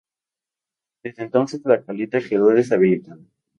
Desde entonces la caleta quedó deshabitada.